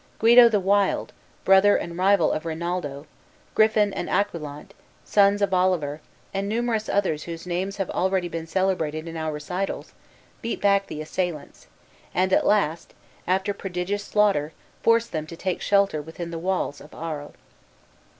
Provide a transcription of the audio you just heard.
Guido the Wild, brother and rival of Rinaldo, Griffon and Aquilant, sons of Oliver, and numerous others whose names have already been celebrated in our recitals, beat back the assailants, and at last, after prodigious slaughter, forced them to take shelter within the walls of Arles.